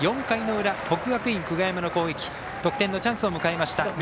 ４回の裏、国学院久我山の攻撃得点のチャンスを迎えました。